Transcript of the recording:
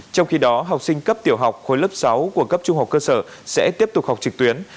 trong khi đó học sinh cấp tiểu học khối lớp sáu của cấp trung học cơ sở sẽ tiếp tục học trực tuyến